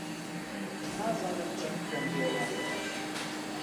نازانم چی بکەم لێرە.